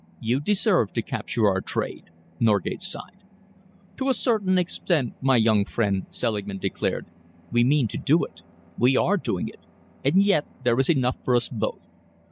"You deserve to capture our trade," Norgate sighed. "To a certain extent, my young friend," Selingman declared, "we mean to do it. We are doing it. And yet there is enough for us both.